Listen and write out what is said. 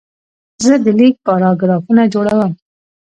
زه د لیک پاراګرافونه جوړوم.